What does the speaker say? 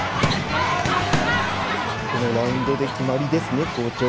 このラウンドで決まりですね校長。